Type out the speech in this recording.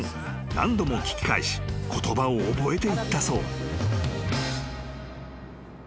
何度も聞き返し言葉を覚えていったそう］